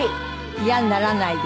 嫌にならないで。